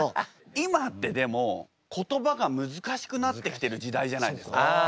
今ってでも言葉が難しくなってきてる時代じゃないですか。